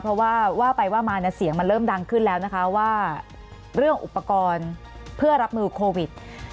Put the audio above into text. เพราะว่าว่าไปว่ามาเนี่ยเสียงมันเริ่มดังขึ้นแล้วนะคะว่าเรื่องอุปกรณ์เพื่อรับมือโควิด